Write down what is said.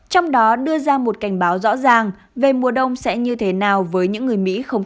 trong đó đưa ra một cảnh báo rõ ràng về mùa đông sẽ như thế nào với những người mỹ không